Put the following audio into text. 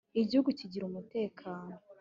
igihugu kigira umutekano